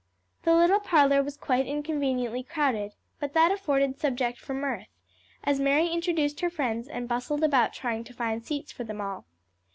The little parlor was quite inconveniently crowded, but that afforded subject for mirth, as Mary introduced her friends and bustled about trying to find seats for them all.